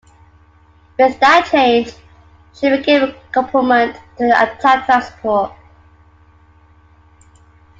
With that change, she became a complement to the attack transport.